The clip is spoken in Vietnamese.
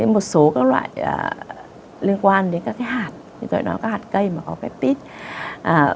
một số các loại liên quan đến các hạt như tôi đã nói các hạt cây mà có peptide